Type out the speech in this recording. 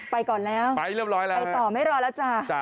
ก่อนแล้วไปเรียบร้อยแล้วไปต่อไม่รอแล้วจ้า